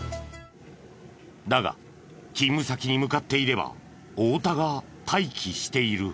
だが勤務先に向かっていれば太田が待機している。